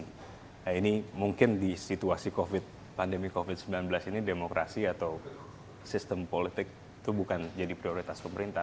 nah ini mungkin di situasi pandemi covid sembilan belas ini demokrasi atau sistem politik itu bukan jadi prioritas pemerintah